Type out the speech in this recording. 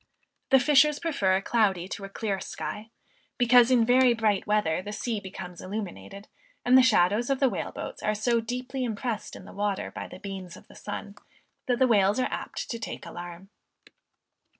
The fishers prefer a cloudy to a clear sky; because in very bright weather, the sea becomes illuminated, and the shadows of the whale boats are so deeply impressed in the water by the beams of the sun that the whales are apt to take the alarm.